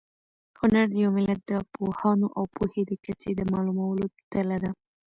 هنر د یو ملت د پوهانو او پوهې د کچې د معلومولو تله ده.